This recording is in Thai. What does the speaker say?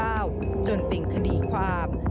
จนเป็นคดีความ